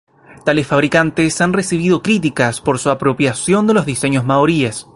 Tales fabricantes han recibido críticas por su apropiación de los diseños Maoríes.